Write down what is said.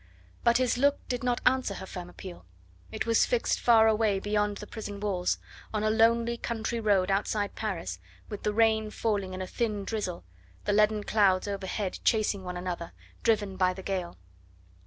But his look did not answer her firm appeal; it was fixed far away beyond the prison walls, on a lonely country road outside Paris, with the rain falling in a thin drizzle, and leaden clouds overhead chasing one another, driven by the gale.